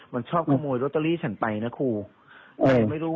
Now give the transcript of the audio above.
มันชอบขโมยโรตเตอรี่ฉันไปนะครู